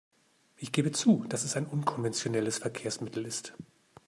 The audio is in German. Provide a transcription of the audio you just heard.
Ich gebe zu, dass es ein unkonventionelles Verkehrsmittel ist.